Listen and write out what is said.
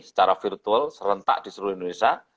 secara virtual serentak di seluruh indonesia